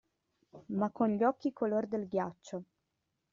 Ma con gli occhi color del ghiaccio.